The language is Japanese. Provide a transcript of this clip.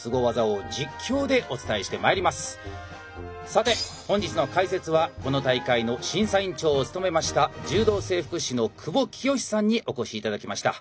さて本日の解説はこの大会の審査員長を務めました柔道整復師の久保聖史さんにお越し頂きました。